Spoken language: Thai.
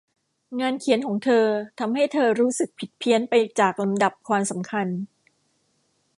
งานเขียนของเธอทำให้เธอรู้สึกผิดเพี้ยนไปจากลำดับความสำคัญ